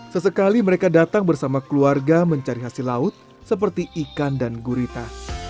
sesekali mereka datang bersama keluarga mencari hasil laut seperti ikan dan gurita